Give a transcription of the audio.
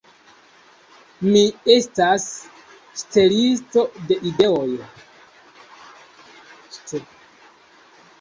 Mi estas ŝtelisto de ideoj.